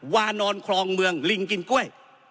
วานอนคลองเมืองลิงกินกล้วย